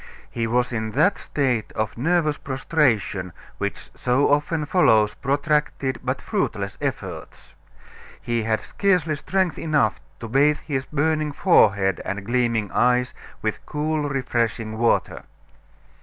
He was in that state of nervous prostration which so often follows protracted but fruitless efforts. He had scarcely strength enough to bathe his burning forehead and gleaming eyes with cool, refreshing water.